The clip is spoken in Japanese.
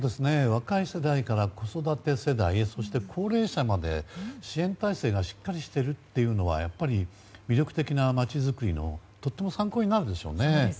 若い世代から子育て世代そして高齢者まで支援体制がしっかりしているのはやっぱり魅力的な町づくりのとても参考になるでしょうね。